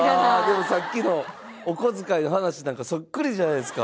でもさっきのお小遣いの話なんかそっくりじゃないですか。